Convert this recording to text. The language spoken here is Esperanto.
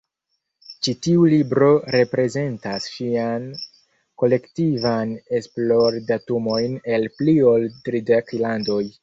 Ĉi tiu libro reprezentas ŝian kolektivan esplordatumojn el pli ol tridek landoj.